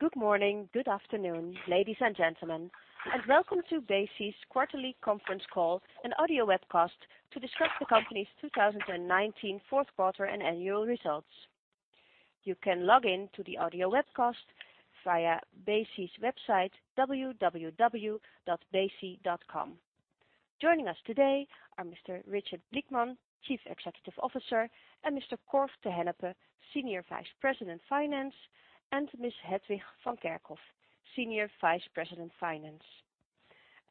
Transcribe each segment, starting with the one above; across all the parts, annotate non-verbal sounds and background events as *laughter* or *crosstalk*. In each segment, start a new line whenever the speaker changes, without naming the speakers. Good morning, good afternoon, ladies and gentlemen, and welcome to Besi's quarterly conference call and audio webcast to discuss the company's 2019 fourth quarter and annual results. You can log in to the audio webcast via besi.com. Joining us today are Mr. Richard Blickman, Chief Executive Officer, and Mr. Cor te Hennepe, Senior Vice President of Finance, and Ms. Hetwig van Kerkhof, Senior Vice President of Finance.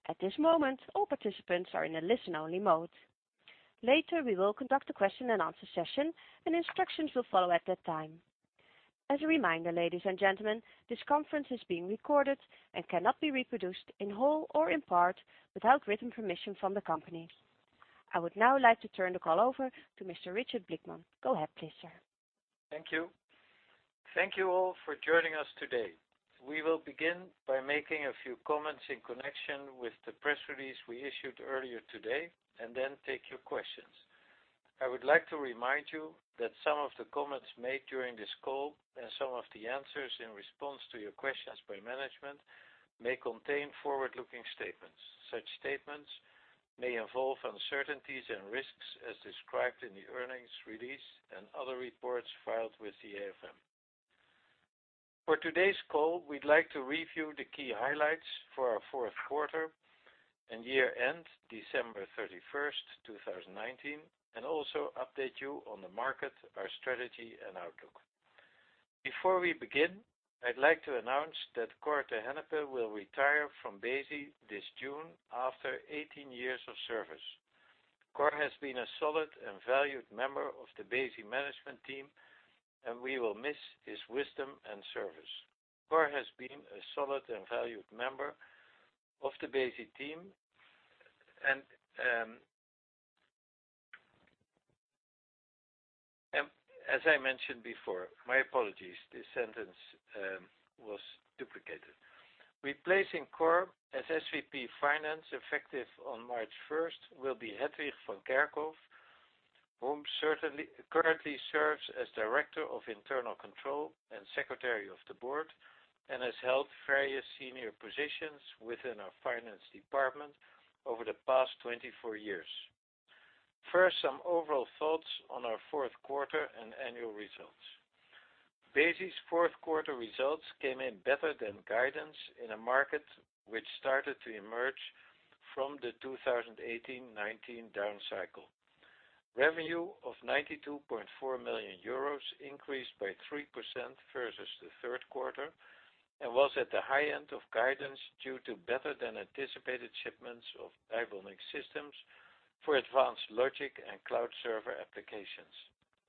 At this moment, all participants are in a listen-only mode. Later, we will conduct a question and answer session, and instructions will follow at that time. As a reminder, ladies and gentlemen, this conference is being recorded and cannot be reproduced in whole or in part without written permission from the company. I would now like to turn the call over to Mr. Richard Blickman. Go ahead, please, sir.
Thank you. Thank you all for joining us today. We will begin by making a few comments in connection with the press release we issued earlier today, and then take your questions. I would like to remind you that some of the comments made during this call and some of the answers in response to your questions by management may contain forward-looking statements. Such statements may involve uncertainties and risks as described in the earnings release and other reports filed with the AFM. For today's call, we'd like to review the key highlights for our fourth quarter and year-end, December 31st, 2019, and also update you on the market, our strategy, and outlook. Before we begin, I'd like to announce that Cor te Hennepe will retire from Besi this June after 18 years of service. Cor has been a solid and valued member of the Besi management team, and we will miss his wisdom and service. As I mentioned before, my apologies. This sentence was duplicated. Replacing Cor as SVP of Finance, effective on March 1st, will be Hetwig van Kerkhof, who currently serves as Director of Internal Control and Secretary of the Board, and has held various senior positions within our finance department over the past 24 years. First, some overall thoughts on our fourth quarter and annual results. Besi's fourth quarter results came in better than guidance in a market which started to emerge from the 2018-2019 down cycle. Revenue of 92.4 million euros increased by 3% versus the third quarter and was at the high end of guidance due to better-than-anticipated shipments of die bonding systems for advanced logic and cloud server applications.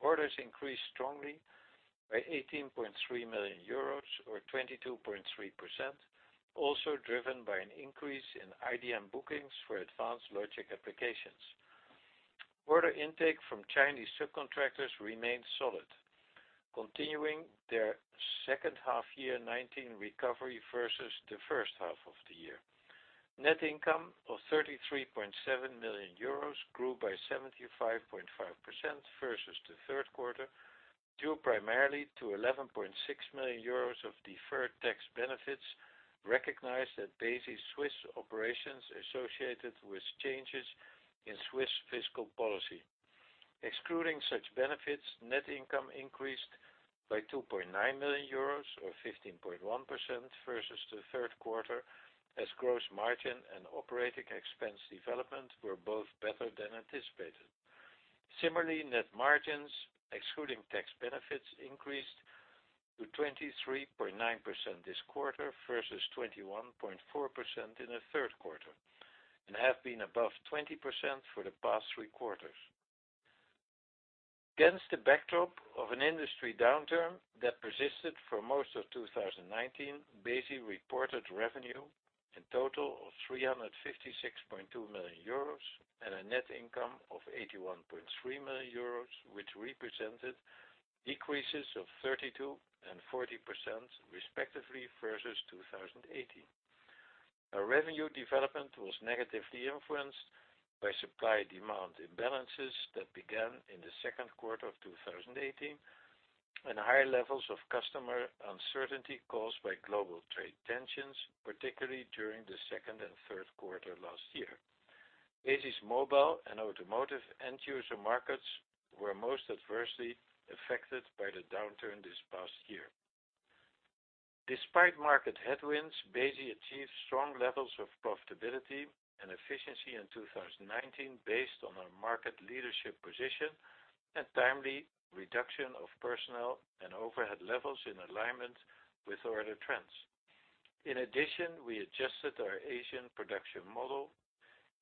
Orders increased strongly by 18.3 million euros, or 22.3%, also driven by an increase in IDM bookings for advanced logic applications. Order intake from Chinese subcontractors remained solid, continuing their second half year 2019 recovery versus the first half of the year. Net income of 33.7 million euros grew by 75.5% versus the third quarter, due primarily to 11.6 million euros of deferred tax benefits recognized at Besi's Swiss operations associated with changes in Swiss fiscal policy. Excluding such benefits, net income increased by 2.9 million euros, or 15.1%, versus the third quarter, as gross margin and operating expense development were both better than anticipated. Similarly, net margins, excluding tax benefits, increased to 23.9% this quarter versus 21.4% in the third quarter, and have been above 20% for the past three quarters. Against the backdrop of an industry downturn that persisted for most of 2019, Besi reported revenue in total of 356.2 million euros and a net income of 81.3 million euros, which represented decreases of 32% and 40%, respectively, versus 2018. Our revenue development was negatively influenced by supply-demand imbalances that began in the second quarter of 2018 and higher levels of customer uncertainty caused by global trade tensions, particularly during the second and third quarter last year. Besi's mobile and automotive end-user markets were most adversely affected by the downturn this past year. Despite market headwinds, Besi achieved strong levels of profitability and efficiency in 2019 based on our market leadership position and timely reduction of personnel and overhead levels in alignment with order trends. We adjusted our Asian production model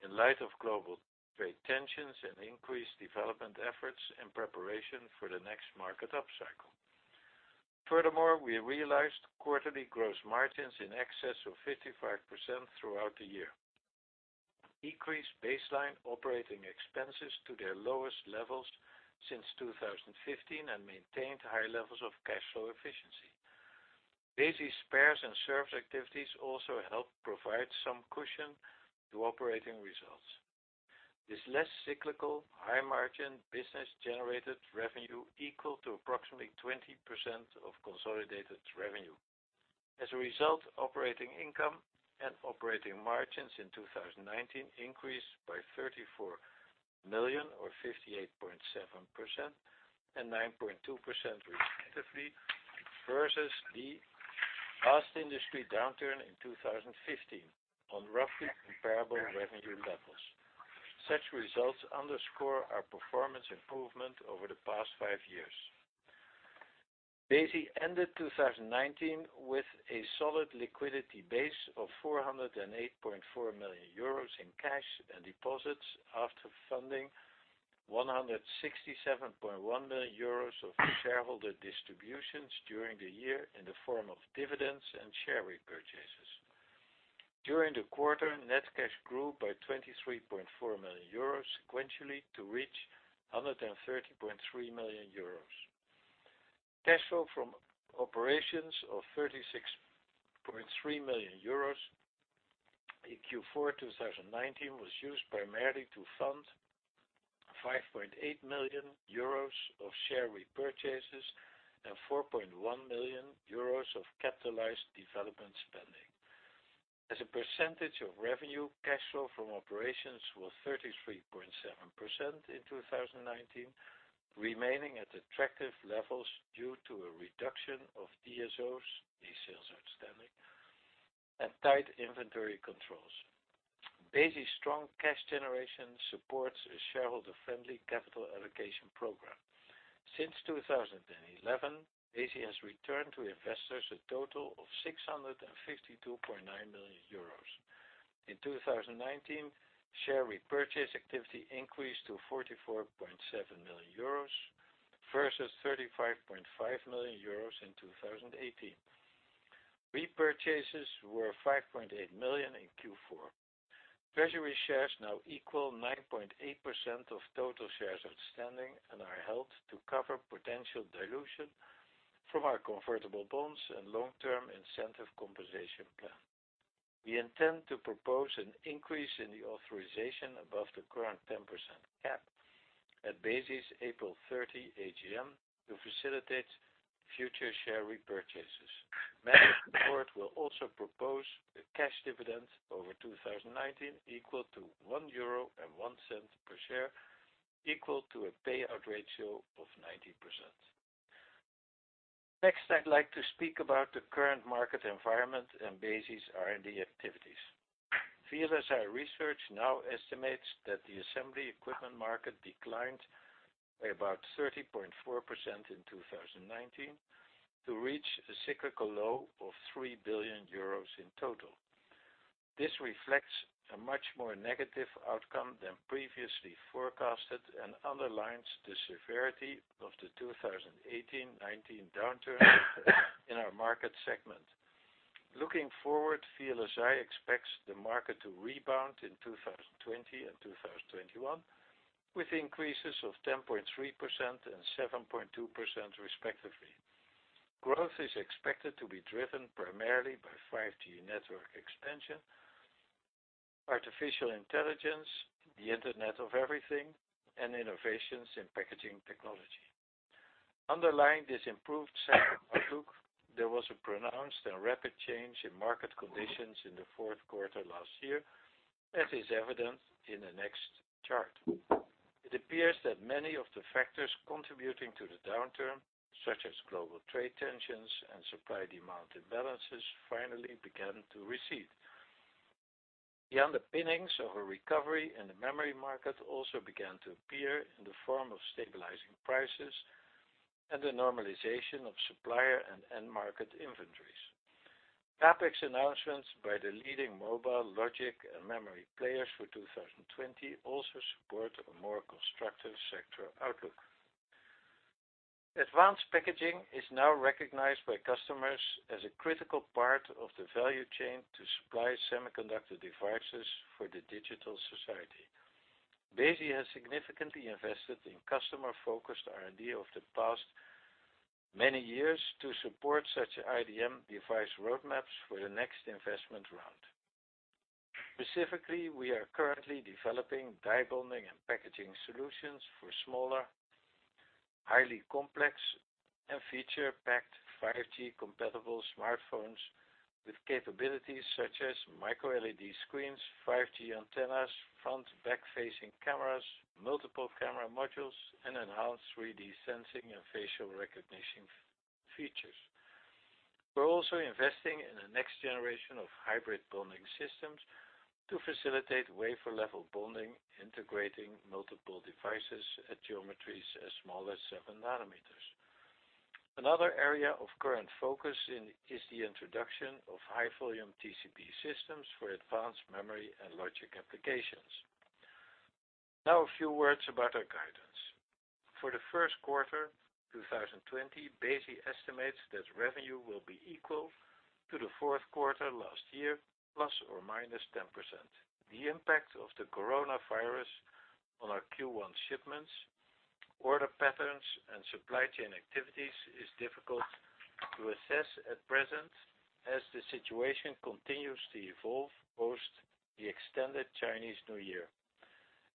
in light of global trade tensions and increased development efforts in preparation for the next market upcycle. We realized quarterly gross margins in excess of 55% throughout the year, decreased baseline operating expenses to their lowest levels since 2015, and maintained high levels of cash flow efficiency. Besi's spares and service activities also help provide some cushion to operating results. This less cyclical, high-margin business generated revenue equal to approximately 20% of consolidated revenue. Operating income and operating margins in 2019 increased by 34 million or 58.7% and 9.2%, respectively, versus the last industry downturn in 2015 on roughly comparable revenue levels. Such results underscore our performance improvement over the past five years. Besi ended 2019 with a solid liquidity base of 408.4 million euros in cash and deposits after funding 167.1 million euros of shareholder distributions during the year in the form of dividends and share repurchases. During the quarter, net cash grew by 23.4 million euros sequentially to reach 130.3 million euros. Cash flow from operations of 36.3 million euros in Q4 2019 was used primarily to fund 5.8 million euros of share repurchases and 4.1 million euros of capitalized development spending. As a percentage of revenue, cash flow from operations was 33.7% in 2019, remaining at attractive levels due to a reduction of DSOs, days sales outstanding, and tight inventory controls. Besi's strong cash generation supports a shareholder-friendly capital allocation program. Since 2011, Besi has returned to investors a total of 652.9 million euros. In 2019, share repurchase activity increased to 44.7 million euros versus 35.5 million euros in 2018. Repurchases were 5.8 million in Q4. Treasury shares now equal 9.8% of total shares outstanding and are held to cover potential dilution from our convertible bonds and long-term incentive compensation plan. We intend to propose an increase in the authorization above the current 10% cap at Besi's April 30, AGM to facilitate future share repurchases. Management's board will also propose a cash dividend over 2019 equal to 1.01 euro per share, equal to a payout ratio of 90%. Next, I'd like to speak about the current market environment and Besi's R&D activities. VLSI Research now estimates that the assembly equipment market declined by about 30.4% in 2019 to reach a cyclical low of 3 billion euros in total. This reflects a much more negative outcome than previously forecasted and underlines the severity of the 2018/2019 downturn in our market segment. Looking forward, VLSI expects the market to rebound in 2020 and 2021 with increases of 10.3% and 7.2%, respectively. Growth is expected to be driven primarily by 5G network expansion, artificial intelligence, the Internet of Everything, and innovations in packaging technology. Underlying this improved sector outlook, there was a pronounced and rapid change in market conditions in the fourth quarter last year, as is evident in the next chart. It appears that many of the factors contributing to the downturn, such as global trade tensions and supply/demand imbalances, finally began to recede. The underpinnings of a recovery in the memory market also began to appear in the form of stabilizing prices and the normalization of supplier and end-market inventories. CapEx announcements by the leading mobile logic and memory players for 2020 also support a more constructive sector outlook. Advanced packaging is now recognized by customers as a critical part of the value chain to supply semiconductor devices for the digital society. Besi has significantly invested in customer-focused R&D over the past many years to support such IDM device roadmaps for the next investment round. Specifically, we are currently developing die bonding and packaging solutions for smaller, highly complex, and feature-packed 5G-compatible smartphones with capabilities such as MicroLED screens, 5G antennas, front/back-facing cameras, multiple camera modules, and enhanced 3D sensing and facial recognition features. We're also investing in the next generation of hybrid bonding systems to facilitate wafer-level bonding, integrating multiple devices at geometries as small as seven nanometers. Another area of current focus is the introduction of high-volume TCB systems for advanced memory and logic applications. Now, a few words about our guidance. For the first quarter 2020, Besi estimates that revenue will be equal to the fourth quarter last year, ±10%. The impact of the coronavirus on our Q1 shipments, order patterns and supply chain activities is difficult to assess at present as the situation continues to evolve post the extended Chinese New Year.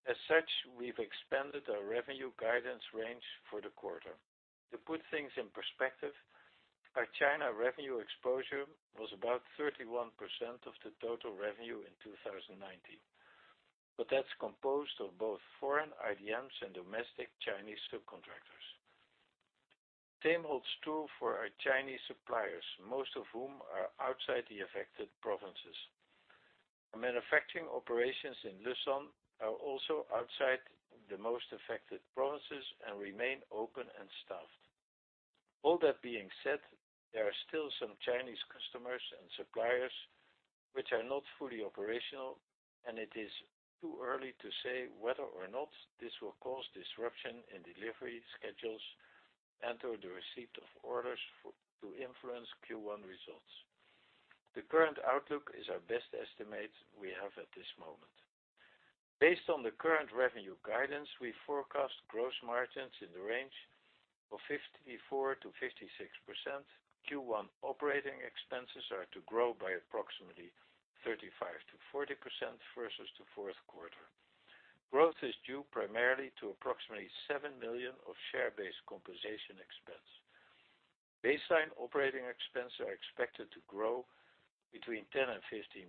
As such, we've expanded our revenue guidance range for the quarter. To put things in perspective, our China revenue exposure was about 31% of the total revenue in 2019, but that's composed of both foreign IDMs and domestic Chinese subcontractors. Same holds true for our Chinese suppliers, most of whom are outside the affected provinces. Our manufacturing operations in Leshan are also outside the most affected provinces and remain open and staffed. All that being said, there still some Chinese customers and suppliers which are not fully operational and it is too early to say whether or not this will cause disruption in delivery schedules and, or the receipt of orders to influence Q1 results. The current outlook is our best estimate we have at this moment. Based on the current revenue guidance, we forecast gross margins in the range of 54%-56%. Q1 operating expenses are to grow by approximately 35%-40% versus the fourth quarter. Growth is due primarily to approximately 7 million of share-based compensation expense. Baseline operating expense are expected to grow between 10% and 15%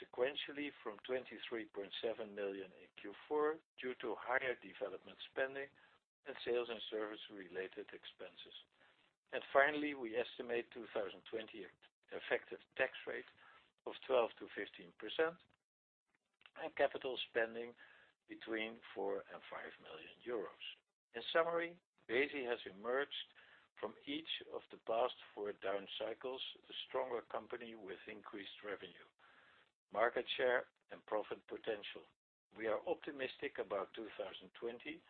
sequentially from 23.7 million in Q4, due to higher development spending and sales and service-related expenses. Finally, we estimate 2020 effective tax rate of 12%-15%, and capital spending between 4 million and 5 million euros. In summary, Besi has emerged from each of the past four down cycles a stronger company with increased revenue, market share, and profit potential. We are optimistic about 2020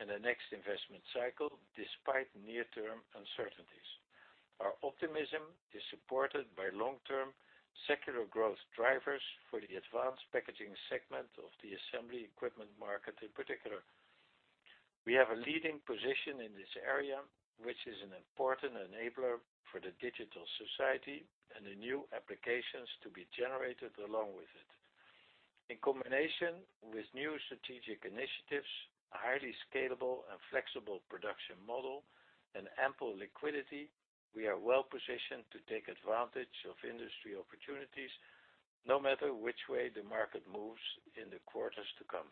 and the next investment cycle, despite near-term uncertainties. Our optimism is supported by long-term secular growth drivers for the advanced packaging segment of the assembly equipment market in particular. We have a leading position in this area, which is an important enabler for the digital society and the new applications to be generated along with it. In combination with new strategic initiatives, a highly scalable and flexible production model, and ample liquidity, we are well-positioned to take advantage of industry opportunities, no matter which way the market moves in the quarters to come.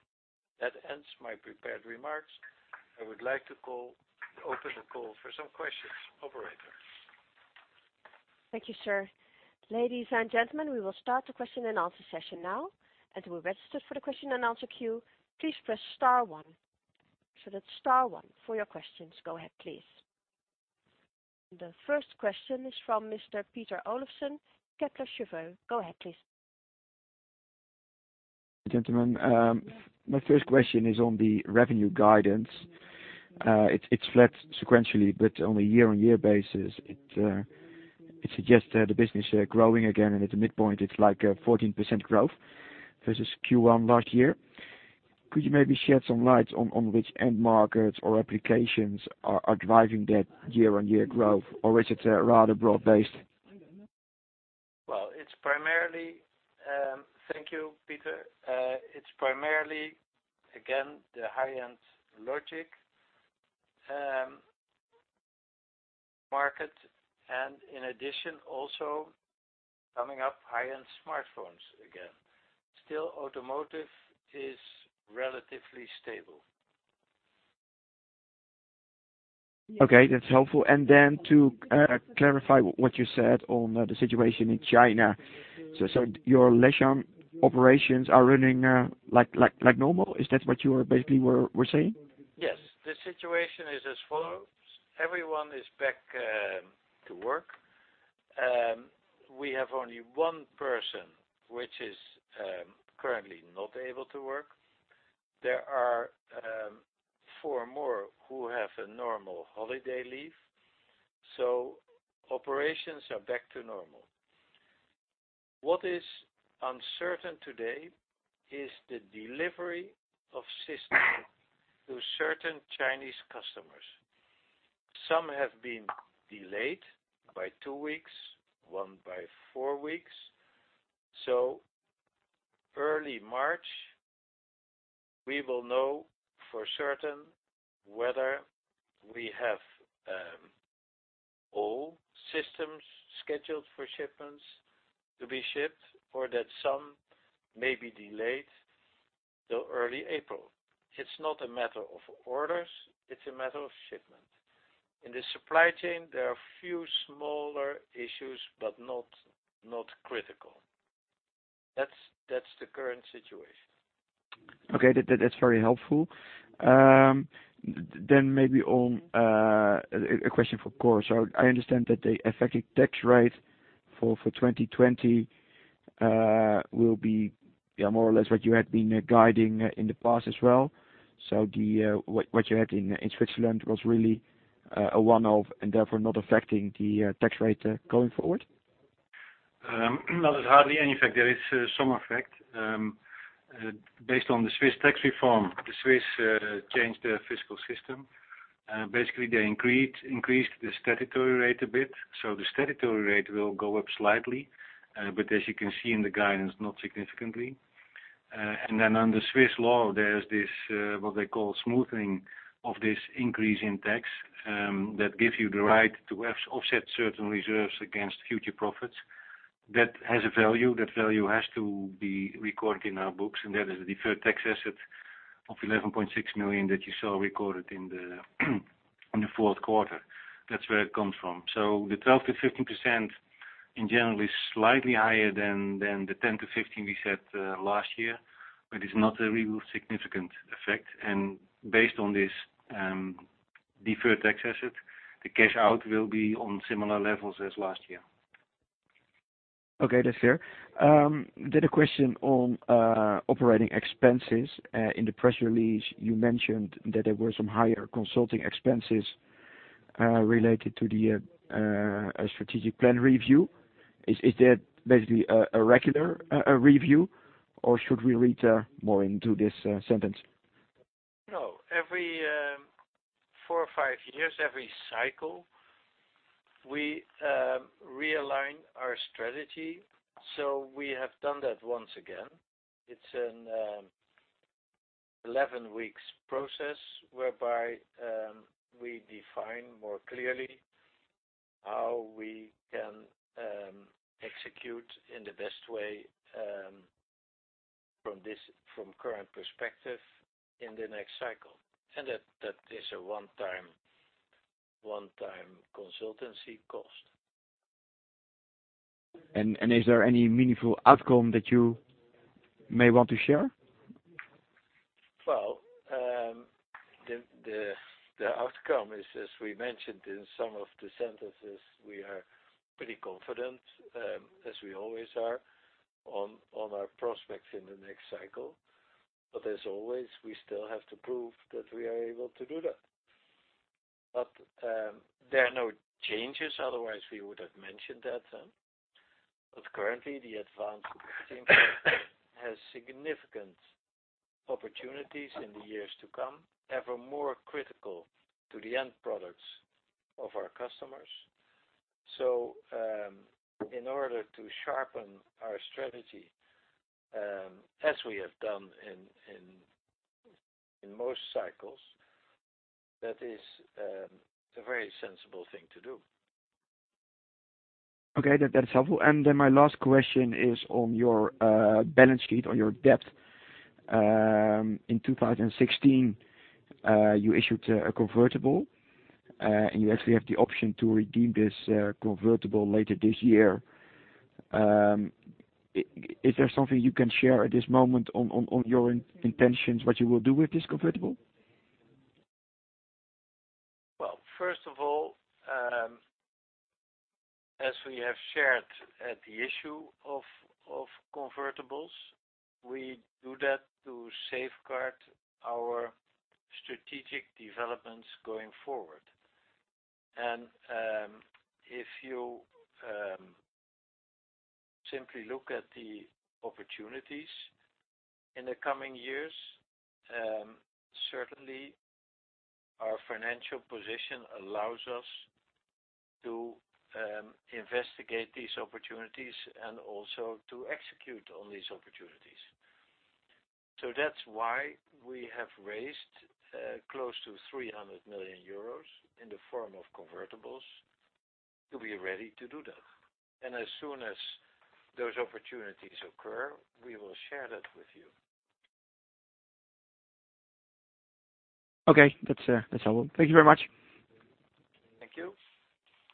That ends my prepared remarks. I would like to open the call for some questions. Operator.
Thank you, sir. Ladies and gentlemen, we will start the question and answer session now. As you registered for the question and answer queue, please press star one. That's star one for your questions. Go ahead, please. The first question is from Mr. Peter Olofsen, Kepler Cheuvreux. Go ahead, please.
Gentlemen. My first question is on the revenue guidance. It's flat sequentially, but on a year-on-year basis, it suggests that the business growing again, and at the midpoint, it's like a 14% growth versus Q1 last year. Could you maybe shed some light on which end markets or applications are driving that year-on-year growth? Is it rather broad-based?
Well, thank you, Peter. It's primarily, again, the high-end logic market and in addition, also coming up high-end smartphones again. Still, automotive is relatively stable.
That's helpful. To clarify what you said on the situation in China, your Leshan operations are running like normal? Is that what you basically were saying?
Yes. The situation is as follows. Everyone is back to work. We have only one person which is currently not able to work. There are four more who have a normal holiday leave. Operations are back to normal. What is uncertain today is the delivery of systems to certain Chinese customers. Some have been delayed by two weeks, one by four weeks. Early March, we will know for certain whether we have all systems scheduled for shipments to be shipped or that some may be delayed till early April. It's not a matter of orders, it's a matter of shipment. In the supply chain, there are few smaller issues, but not critical. That's the current situation.
Okay. That's very helpful. Maybe a question for Cor. I understand that the effective tax rate for 2020 will be more or less what you had been guiding in the past as well. What you had in Switzerland was really a one-off and therefore not affecting the tax rate going forward?
There's hardly any effect. There is some effect. Based on the Swiss tax reform, the Swiss changed their fiscal system. They increased the statutory rate a bit. The statutory rate will go up slightly, but as you can see in the guidance, not significantly. Under Swiss law, there's this, what they call smoothing of this increase in tax, that gives you the right to offset certain reserves against future profits. That has a value. That value has to be recorded in our books, and that is a deferred tax asset of 11.6 million that you saw recorded in the fourth quarter. That's where it comes from. The 12% to 15% in general is slightly higher than the 10% to 15% we said last year, but it's not a really significant effect. Based on this deferred tax asset, the cash out will be on similar levels as last year.
That's fair. A question on operating expenses. In the press release, you mentioned that there were some higher consulting expenses related to the strategic plan review. Is that basically a regular review or should we read more into this sentence?
Every four or five years, every cycle, we realign our strategy. We have done that once again. It's an 11 weeks process whereby we define more clearly how we can execute in the best way from current perspective in the next cycle. That is a one-time consultancy cost.
Is there any meaningful outcome that you may want to share?
Well, the outcome is, as we mentioned in some of the sentences, we are pretty confident, as we always are, on our prospects in the next cycle. As always, we still have to prove that we are able to do that. There are no changes, otherwise we would have mentioned that then. Currently, the advanced team has significant opportunities in the years to come, ever more critical to the end products of our customers. In order to sharpen our strategy, as we have done in most cycles, that is a very sensible thing to do.
Okay, that's helpful. My last question is on your balance sheet, on your debt. In 2016, you issued a convertible, and you actually have the option to redeem this convertible later this year. Is there something you can share at this moment on your intentions, what you will do with this convertible?
Well, first of all, as we have shared at the issue of convertibles, we do that to safeguard our strategic developments going forward. If you simply look at the opportunities in the coming years, certainly our financial position allows us to investigate these opportunities and also to execute on these opportunities. That's why we have raised close to 300 million euros in the form of convertibles to be ready to do that. As soon as those opportunities occur, we will share that with you.
That's all. Thank you very much.
Thank you.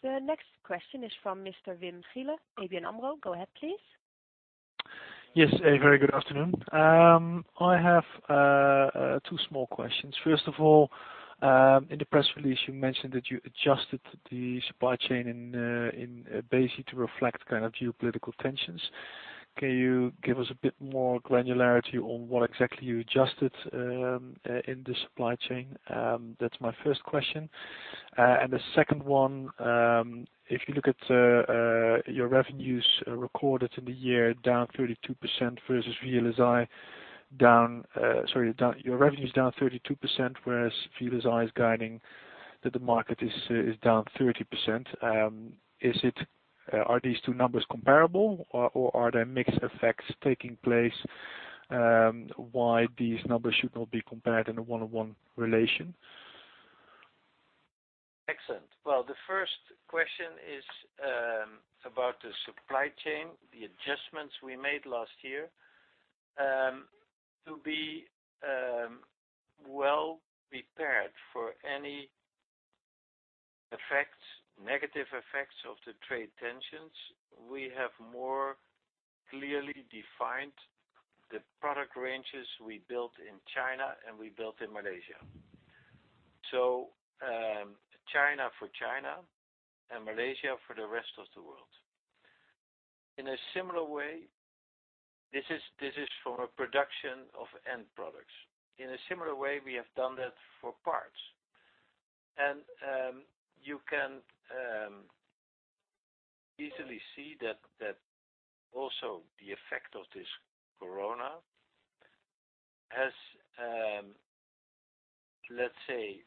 The next question is from Mr. Wim Gille, ABN AMRO. Go ahead, please.
A very good afternoon. I have two small questions. First of all, in the press release, you mentioned that you adjusted the supply chain in Besi to reflect kind of geopolitical tensions. Can you give us a bit more granularity on what exactly you adjusted in the supply chain? That's my first question. The second one, if you look at your revenues recorded in the year down 32% versus VLSI, your revenue is down 32%, whereas VLSI is guiding that the market is down 30%. Are these two numbers comparable or are there mixed effects taking place why these numbers should not be compared in a one-on-one relation?
Excellent. Well, the first question is about the supply chain, the adjustments we made last year. To be well prepared for any effects, negative effects of the trade tensions, we have more clearly defined the product ranges we built in China and we built in Malaysia. China for China and Malaysia for the rest of the world. In a similar way, this is for a production of end products. In a similar way, we have done that for parts. And you can easily see that also the effect of this Corona has, let's say,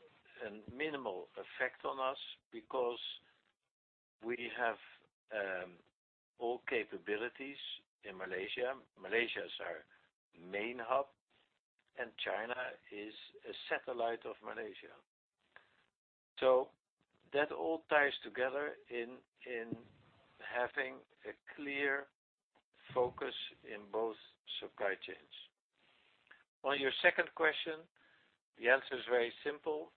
a minimal effect on us because we have all capabilities in Malaysia. Malaysia is our main hub, and China is a satellite of Malaysia. That all ties together in having a clear focus in both supply chains. On your second question, the answer is very simple.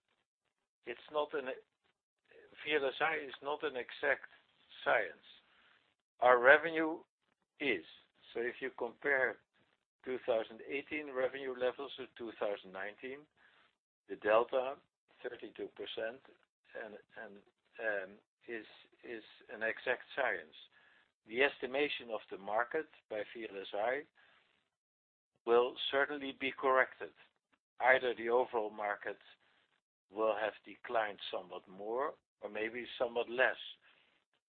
VLSI is not an exact science. Our revenue is. If you compare 2018 revenue levels with 2019, the delta, 32%, and is an exact science. The estimation of the market by VLSI will certainly be corrected. Either the overall market will have declined somewhat more or maybe somewhat less.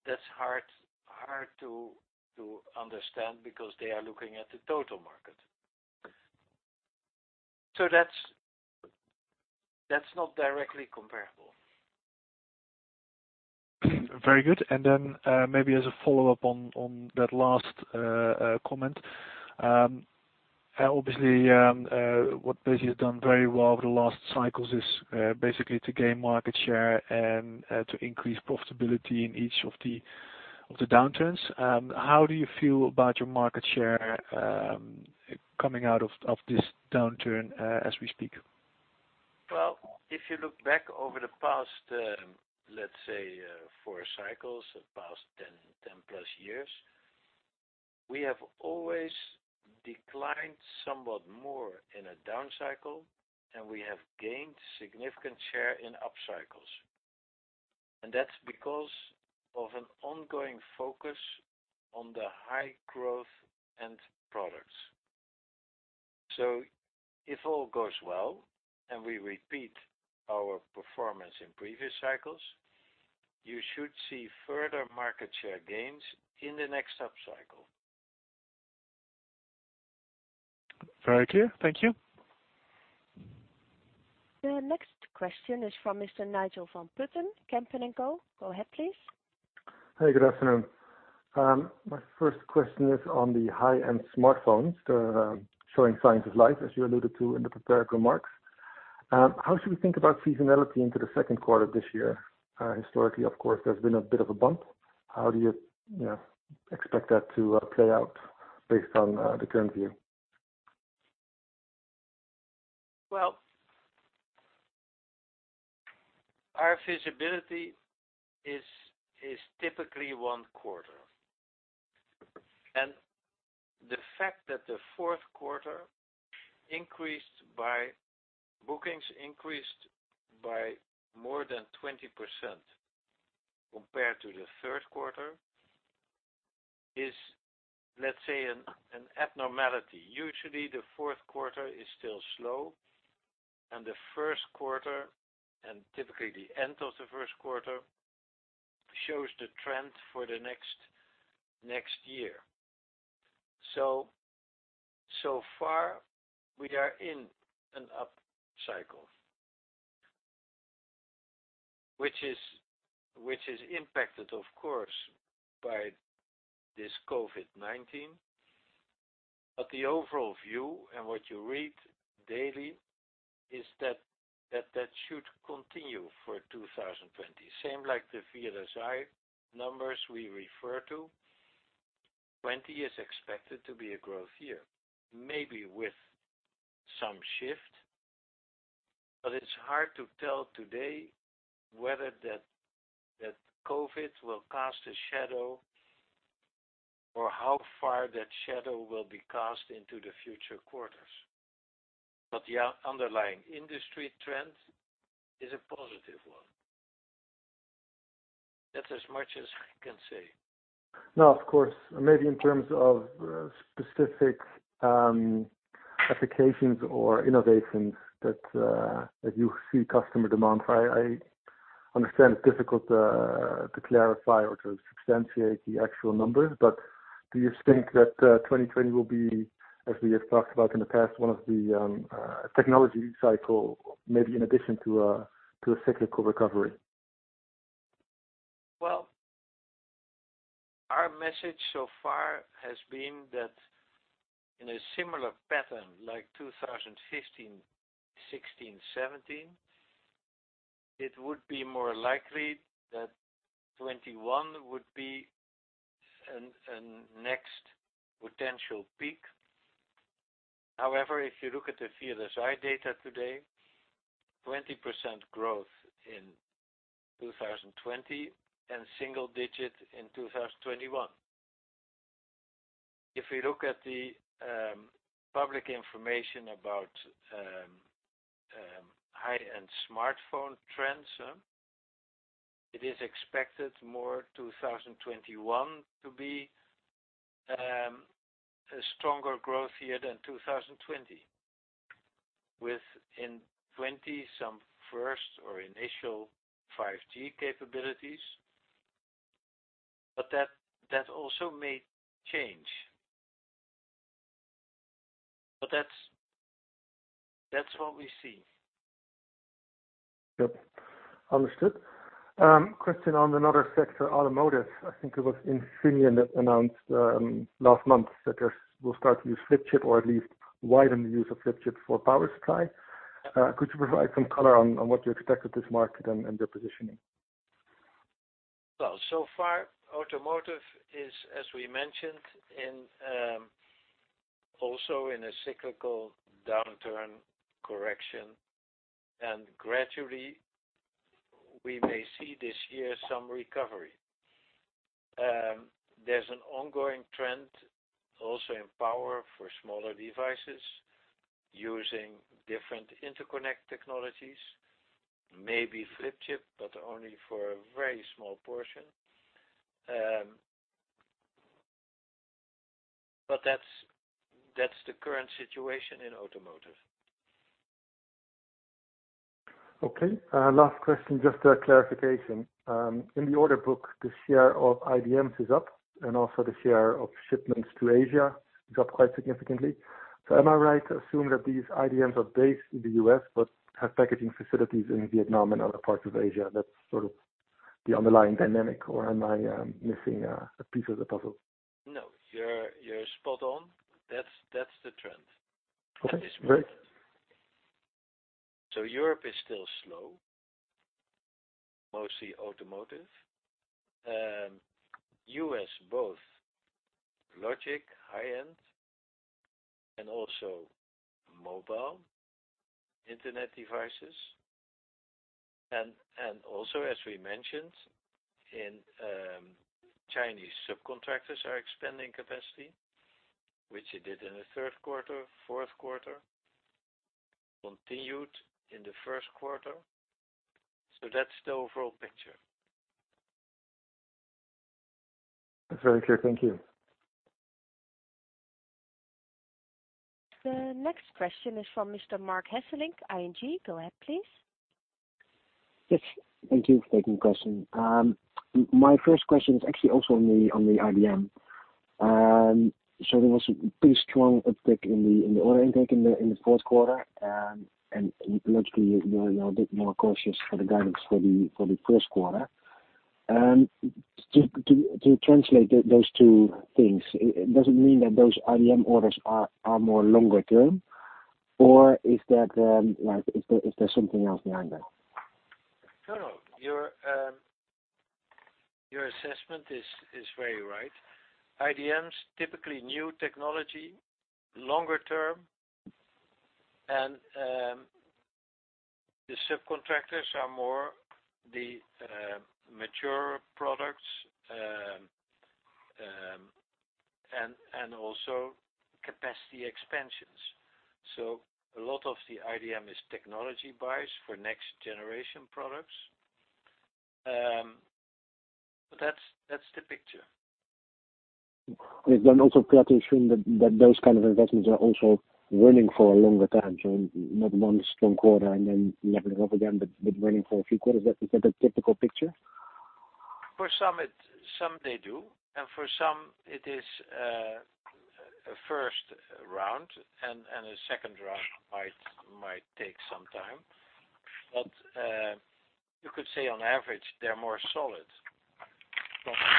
That's hard to understand because they are looking at the total market. That's not directly comparable.
Very good. Maybe as a follow-up on that last comment. Obviously, what Besi has done very well over the last cycles is basically to gain market share and to increase profitability in each of the downturns. How do you feel about your market share coming out of this downturn as we speak?
Well, if you look back over the past, let's say, four cycles, the past 10+ years, we have always declined somewhat more in a down cycle, and we have gained significant share in up cycles. That's because of an ongoing focus on the high growth end products. If all goes well, and we repeat our performance in previous cycles, you should see further market share gains in the next up cycle.
Very clear. Thank you.
The next question is from Mr. Nigel van Putten, Kempen & Co. Go ahead, please.
Hey, good afternoon. My first question is on the high-end smartphones, they're showing signs of life, as you alluded to in the prepared remarks. How should we think about seasonality into the second quarter this year? Historically, of course, there's been a bit of a bump. How do you expect that to play out based on the current view?
Well, our visibility is typically one quarter. The fact that the fourth quarter increased by, bookings increased by more than 20% compared to the third quarter is, let's say, an abnormality. Usually, the fourth quarter is still slow, and the first quarter, and typically the end of the first quarter, shows the trend for the next year. So far we are in an up cycle, which is impacted, of course, by this COVID-19. The overall view, and what you read daily is that that should continue for 2020. Same like the VLSI numbers we refer to, 2020 is expected to be a growth year, maybe with some shift, but it's hard to tell today whether that COVID will cast a shadow or how far that shadow will be cast into the future quarters. The underlying industry trend is a positive one. That's as much as I can say.
No, of course. In terms of specific applications or innovations that you see customer demand for, I understand it's difficult to clarify or to substantiate the actual numbers, but do you think that 2020 will be, as we have talked about in the past, one of the technology cycle, maybe in addition to a cyclical recovery?
Well, our message so far has been that in a similar pattern like 2015, 2016, 2017, it would be more likely that 2021 would be a next potential peak. If you look at the VLSI data today, 20% growth in 2020 and single digit in 2021. If we look at the public information about high-end smartphone trends. It is expected more 2021 to be a stronger growth year than 2020, within 2020, some first or initial 5G capabilities. That also may change. That's what we see.
Understood. Question on another sector, automotive. I think it was Infineon that announced last month that they will start to use flip chip or at least widen the use of flip chip for power supply. Could you provide some color on what you expect with this market and their positioning?
Well, so far, automotive is, as we mentioned, also in a cyclical downturn correction. Gradually, we may see this year some recovery. There's an ongoing trend also in power for smaller devices using different interconnect technologies, maybe flip chip, but only for a very small portion. That's the current situation in automotive.
Last question, just a clarification. In the order book, the share of IDMs is up, and also the share of shipments to Asia is up quite significantly. Am I right to assume that these IDMs are based in the U.S. but have packaging facilities in Vietnam and other parts of Asia, that's sort of the underlying dynamic, or am I missing a piece of the puzzle?
No, you're spot on. That's the trend. Europe is still slow, mostly automotive. U.S., both logic, high-end, and also mobile Internet devices. As we mentioned, Chinese subcontractors are expanding capacity, which they did in the third quarter, fourth quarter, continued in the first quarter. That's the overall picture.
That's very clear. Thank you.
The next question is from Mr. Marc Hesselink, ING. Go ahead, please.
Thank you for taking the question. My first question is actually also on the IDM. There was a pretty strong uptick in the order intake in the fourth quarter. Logically, you are a bit more cautious for the guidance for the first quarter. To translate those two things, does it mean that those IDM orders are more longer-term, or is there something else behind that?
No. Your assessment is very right. IDMs, typically new technology, longer-term, and the subcontractors are more the mature products, and also capacity expansions. A lot of the IDM is technology buys for next-generation products. That's the picture.
Also correct to assume that those kind of investments are also running for a longer time? Not one strong quarter and then leveling off again, but running for a few quarters. Is that a typical picture?
For some, they do, and for some it is a first round and a second round might take some time. You could say on average, they're more solid from a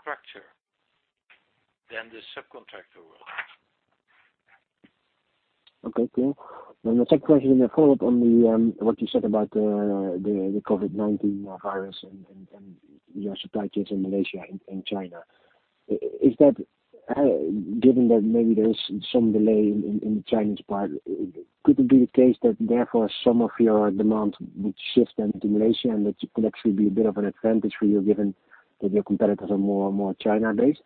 structure than the subcontractor world.
The second question, a follow-up on what you said about the COVID-19 virus and your supply chains in Malaysia and China. Given that maybe there is some delay in the Chinese part, could it be the case that therefore some of your demand would shift then to Malaysia, and that could actually be a bit of an advantage for you given that your competitors are more China-based?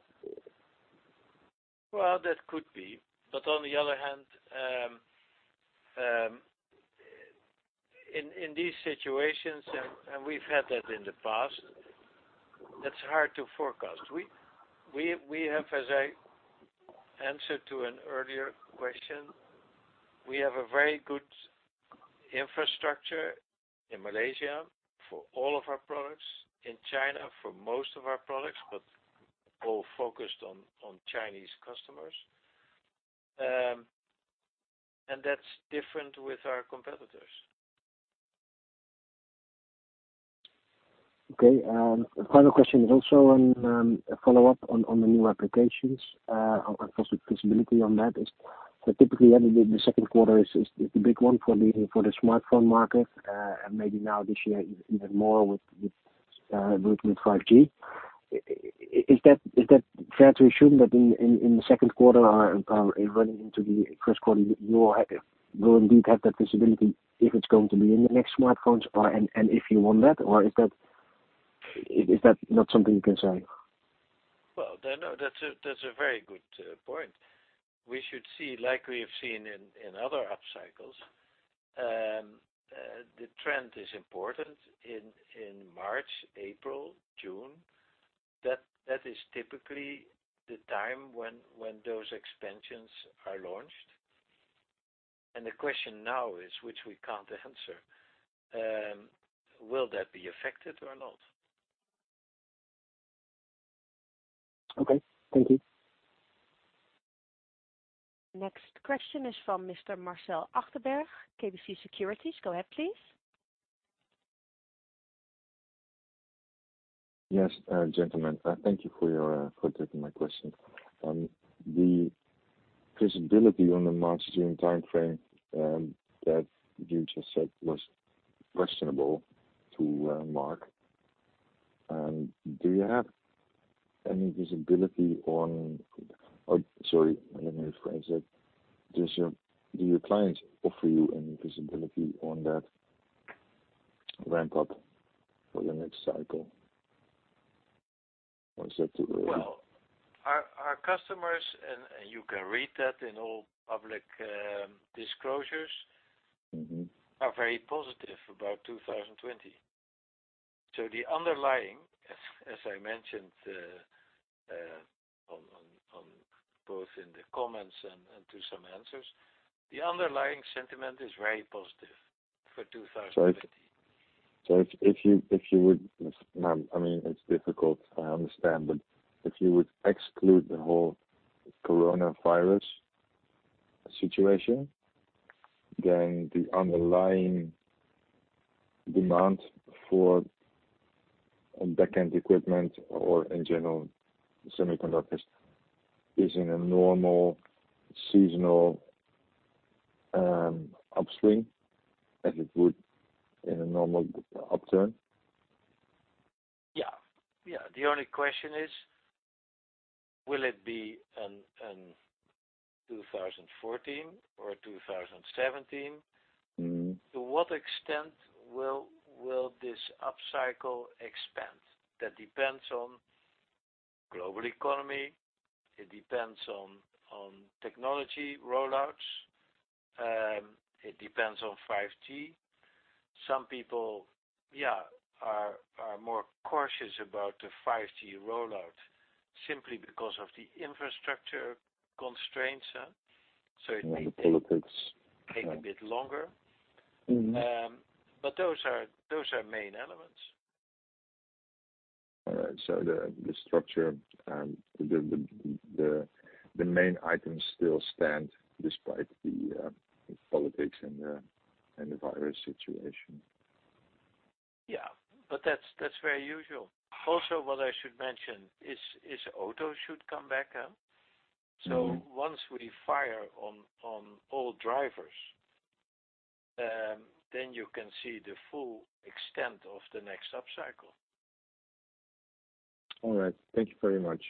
That could be. On the other hand, in these situations, and we've had that in the past, that's hard to forecast. As I answered to an earlier question, we have a very good infrastructure in Malaysia for all of our products, in China for most of our products, but all focused on Chinese customers. That's different with our competitors.
Final question is also on a follow-up on the new applications, and possible visibility on that. Typically, the second quarter is the big one for the smartphone market, and maybe now this year even more with 5G. Is that fair to assume that in the second quarter or even into the first quarter you are active, you will indeed have that visibility if it's going to be in the next smartphones and if you want that, or is that not something you can say?
That's a very good point. We should see, like we have seen in other up cycles, the trend is important in March, April, June. That is typically the time when those expansions are launched. The question now is, which we can't answer, will that be affected or not?
Thank you.
Next question is from Mr. Marcel Achterberg, KBC Securities. Go ahead, please.
Gentlemen. Thank you for taking my question. The visibility on the March-June timeframe that you just said was questionable to Marc. Do you have any visibility? Oh, sorry. Let me rephrase that. Do your clients offer you any visibility on that ramp-up for the next cycle? *audio distortion*
Well, our customers, you can read that in all public disclosures are very positive about 2020. The underlying, as I mentioned both in the comments and to some answers, the underlying sentiment is very positive for 2020.
If you would, I mean, it's difficult, I understand, but if you would exclude the whole Coronavirus situation, then the underlying demand for backend equipment or in general semiconductors is in a normal seasonal upswing as it would in a normal upturn?
The only question is, will it be in 2014 or 2017? To what extent will this upcycle expand? That depends on global economy, it depends on technology rollouts, it depends on 5G. Some people are more cautious about the 5G rollout simply because of the infrastructure constraints.
The politics.
Take a bit longer. Those are main elements.
All right. The structure, the main items still stand despite the politics and the virus situation.
That's very usual. Also, what I should mention is auto should come back. Once we fire on all drivers, you can see the full extent of the next upcycle.
All right. Thank you very much.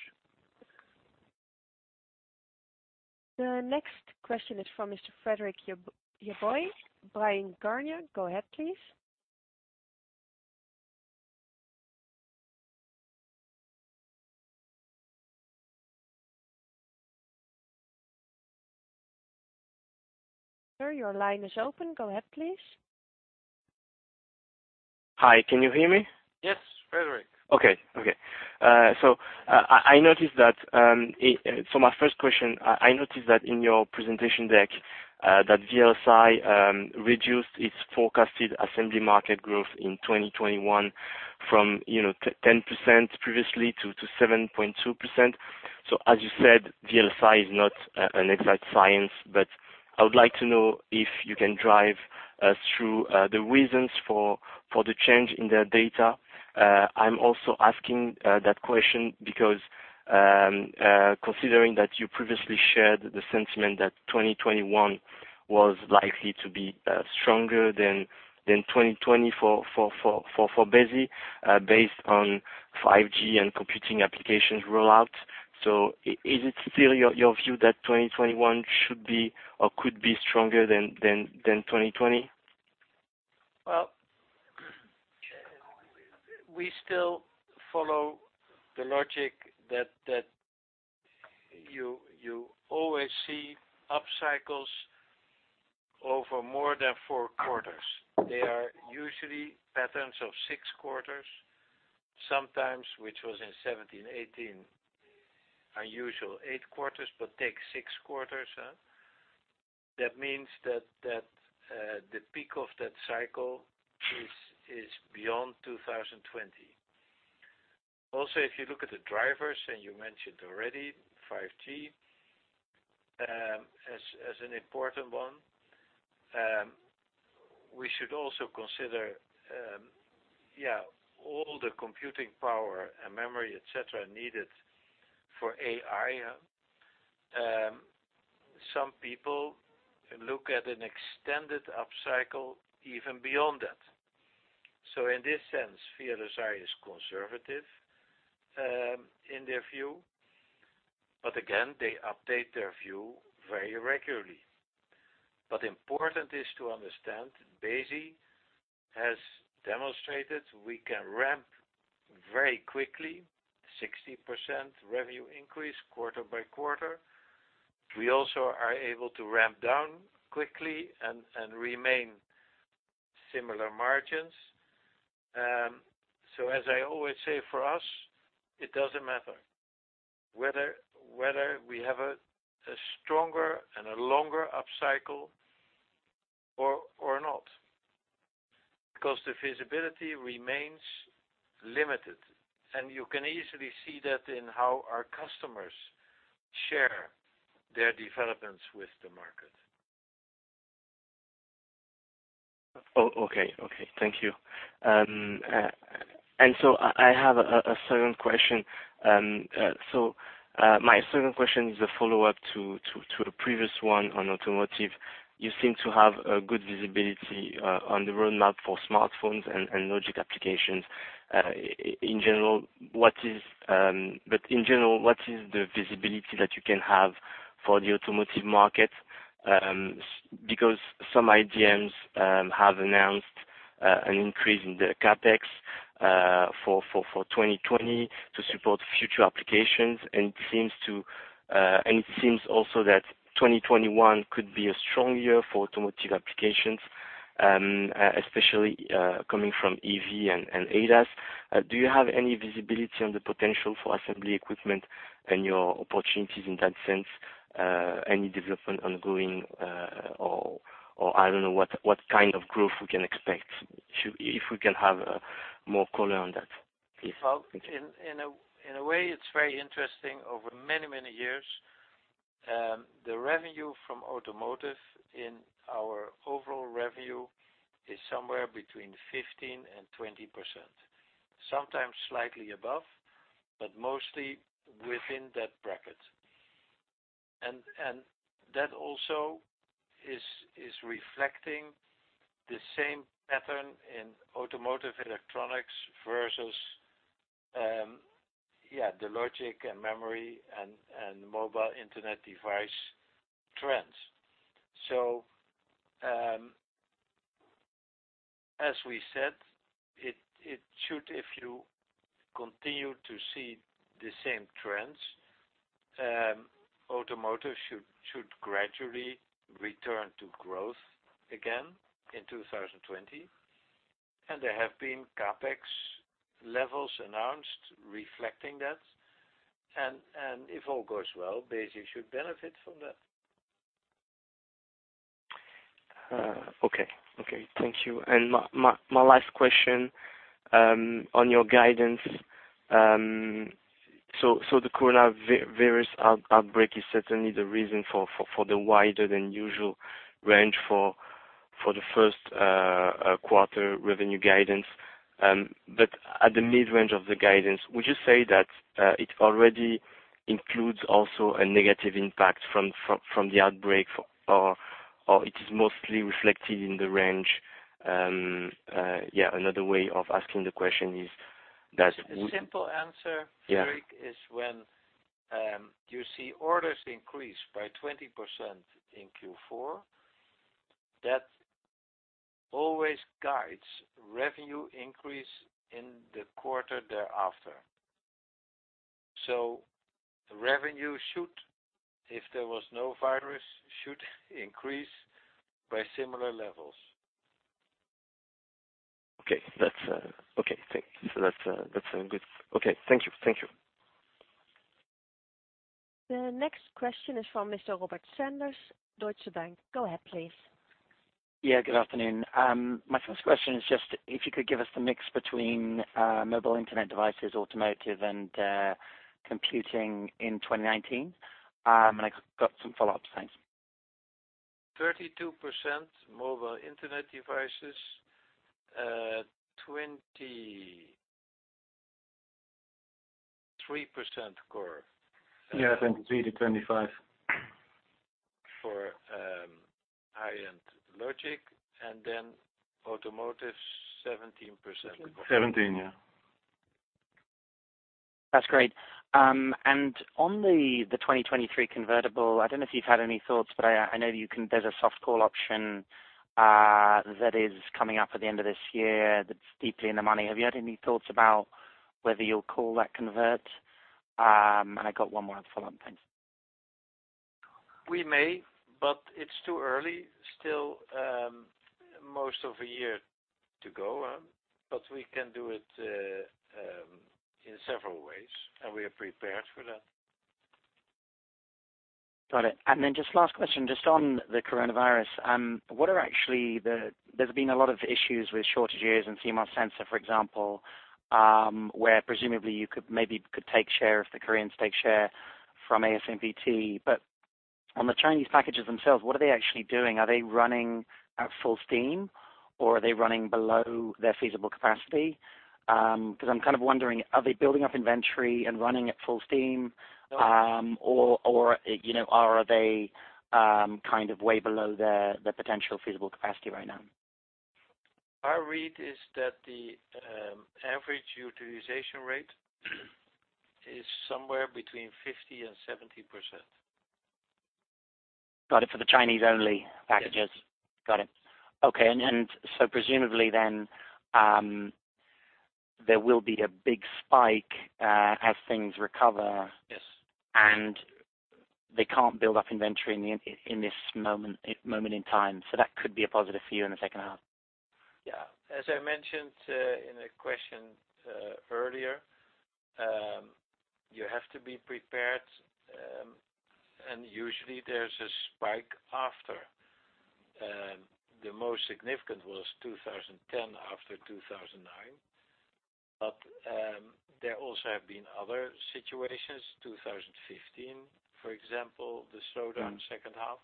The next question is from Mr. Frédéric Yoboué, Bryan, Garnier. Go ahead, please. Sir, your line is open. Go ahead, please.
Hi. Can you hear me?
Yes, Frédéric.
Okay. My first question, I noticed that in your presentation deck that VLSI reduced its forecasted assembly market growth in 2021 from 10% previously to 7.2%. As you said, VLSI is not an exact science, but I would like to know if you can drive us through the reasons for the change in their data. I'm also asking that question because, considering that you previously shared the sentiment that 2021 was likely to be stronger than 2020 for Besi, based on 5G and computing applications rollouts. Is it still your view that 2021 should be or could be stronger than 2020?
Well, we still follow the logic that you always see up cycles over more than four quarters. They are usually patterns of six quarters, sometimes, which was in 2017, 2018, unusual eight quarters, take six quarters. That means that the peak of that cycle is beyond 2020. If you look at the drivers, you mentioned already 5G as an important one. We should also consider all the computing power and memory, et cetera, needed for AI. Some people look at an extended upcycle even beyond that. In this sense, VLSI is conservative in their view. Again, they update their view very regularly. Important is to understand, Besi has demonstrated we can ramp very quickly, 60% revenue increase quarter-by-quarter. We also are able to ramp down quickly and remain similar margins. As I always say, for us, it doesn't matter whether we have a stronger and a longer upcycle or not, because the feasibility remains limited, and you can easily see that in how our customers share their developments with the market.
Thank you. I have a second question. My second question is a follow-up to a previous one on automotive. You seem to have a good visibility on the roadmap for smartphones and logic applications. In general, what is the visibility that you can have for the automotive market? Because some IDMs have announced an increase in their CapEx for 2020 to support future applications, and it seems also that 2021 could be a strong year for automotive applications, especially coming from EV and ADAS. Do you have any visibility on the potential for assembly equipment and your opportunities in that sense? Any development ongoing, or I don't know what kind of growth we can expect, if we can have more color on that?
Well, in a way it's very interesting. Over many, many years, the revenue from automotive in our overall revenue is somewhere between 15% and 20%. Sometimes slightly above, but mostly within that bracket. That also is reflecting the same pattern in automotive electronics versus the logic and memory and mobile Internet devices trends. As we said, if you continue to see the same trends, automotive should gradually return to growth again in 2020, and there have been CapEx levels announced reflecting that. If all goes well, Besi should benefit from that.
Thank you. My last question, on your guidance. The coronavirus outbreak is certainly the reason for the wider than usual range for the first quarter revenue guidance. At the mid-range of the guidance, would you say that it already includes also a negative impact from the outbreak, or it is mostly reflected in the range?
The simple answer. Frédéric, when you see orders increase by 20% in Q4, that always guides revenue increase in the quarter thereafter. The revenue, if there was no virus, should increase by similar levels.
That's good. Okay. Thank you.
The next question is from Mr. Robert Sanders, Deutsche Bank. Go ahead, please.
Good afternoon. My first question is just if you could give us the mix between mobile Internet devices, automotive, and computing in 2019. I got some follow-ups. Thanks.
32% mobile Internet devices, 23% core.
Yeah, 23% to 25%.
For high-end logic, and then automotive 17%.
17%.
That's great. On the 2023 convertible, I don't know if you've had any thoughts, but I know there's a soft call option that is coming up at the end of this year that's deeply in the money. Have you had any thoughts about whether you'll call that convert? I got one more follow-up. Thanks.
We may, but it's too early still, most of a year to go. We can do it in several ways, and we are prepared for that.
Got it. Just last question, just on the Coronavirus. There's been a lot of issues with shortages in CMOS sensor, for example, where presumably you maybe could take share if the Koreans take share from ASMPT. On the Chinese packages themselves, what are they actually doing? Are they running at full steam, or are they running below their feasible capacity? I'm kind of wondering, are they building up inventory and running at full steam, or are they kind of way below their potential feasible capacity right now?
Our read is that the average utilization rate is somewhere between 50% and 70%.
For the Chinese-only packages? Presumably then, there will be a big spike as things recover. They can't build up inventory in this moment in time. That could be a positive for you in the second half?
As I mentioned in a question earlier, you have to be prepared, and usually there's a spike after. The most significant was 2010 after 2009. There also have been other situations, 2015, for example, the slowdown second half.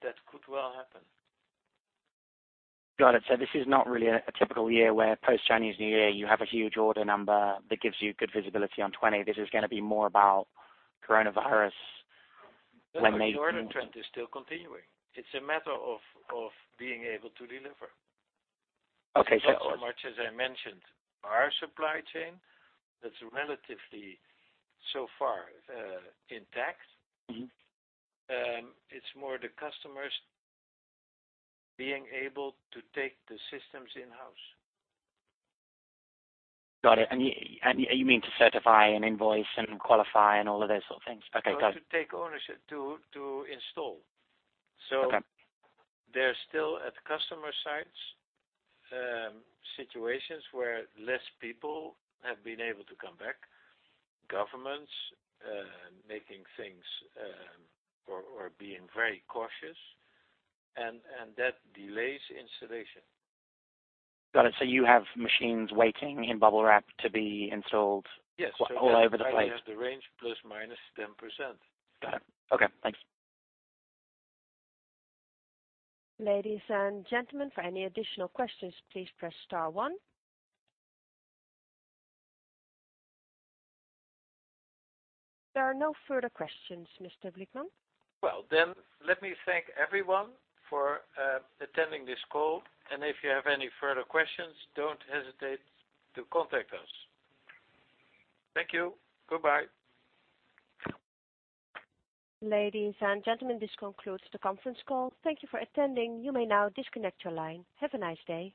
That could well happen.
This is not really a typical year where post-Chinese New Year, you have a huge order number that gives you good visibility on 2020. This is going to be more about Coronavirus when they-
The order trend is still continuing. It's a matter of being able to deliver. Not so much, as I mentioned, our supply chain that's relatively, so far, intact. It's more the customers being able to take the systems in-house.
You mean to certify and invoice and qualify and all of those sort of things? Okay, got it.
No, to take ownership, to install. There's still, at customer sites, situations where less people have been able to come back, governments making things or being very cautious, and that delays installation.
You have machines waiting in bubble wrap to be installed.
Yes
all over the place.
I have the range ±10%.
Got it. Okay, thanks.
Ladies and gentlemen, for any additional questions, please press star one. There are no further questions, Mr. Blickman.
Well, let me thank everyone for attending this call. If you have any further questions, don't hesitate to contact us. Thank you. Goodbye.
Ladies and gentlemen, this concludes the conference call. Thank you for attending. You may now disconnect your line. Have a nice day.